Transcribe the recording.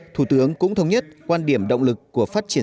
phát triển dược liệu và gắn với nhu cầu thị trường